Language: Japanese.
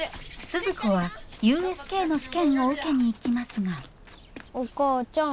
鈴子はＵＳＫの試験を受けに行きますがお母ちゃん。